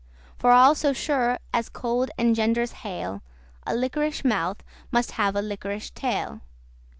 For all so sure as cold engenders hail, A liquorish mouth must have a liquorish tail.